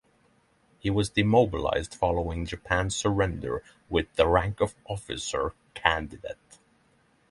He was demobilised following Japan's surrender with the rank of officer candidate.